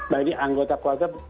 bagi anggota keluarga